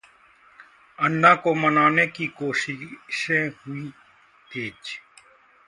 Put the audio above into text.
अन्ना को मनाने की कोशिशें हुई तेज